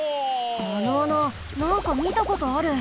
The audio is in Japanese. あの穴なんかみたことある。